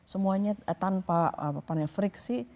semuanya tanpa apa namanya friksi